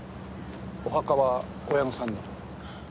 お墓は親御さんの？